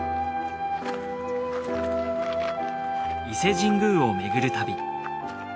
伊勢神宮を巡る旅。